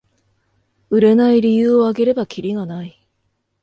売れない理由をあげればキリがない